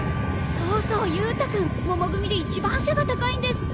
そうそう勇太君もも組で一番背が高いんですって？